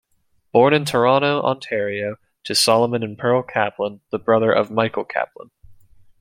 Born in Toronto, Ontario to Solomon and Pearl Kaplan and brother of Michael Kaplan.